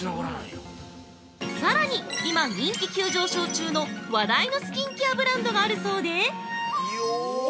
さらに、今人気急上昇中の話題のスキンケアブランドがあるそうで。